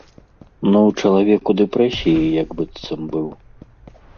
Ну, чалавек у дэпрэсіі як быццам быў.